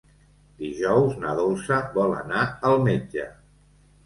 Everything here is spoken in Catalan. Dijous na Dolça vol anar al metge.